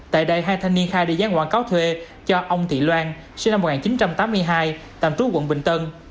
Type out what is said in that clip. tại đây hai thanh niên khai đi gián quảng cáo thuê cho ông thị loan sinh năm một nghìn chín trăm tám mươi hai tạm trú quận bình tân